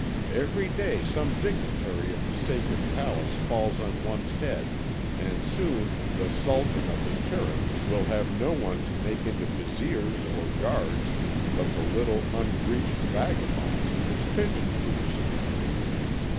"Every day some dignitary of the sacred palace falls on one's head, and soon the Sultan of the Cherubs will have no one to make into Vizirs or guards but the little unbreeched vagabonds of his pigeon coops."